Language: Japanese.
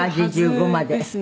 １８５まで。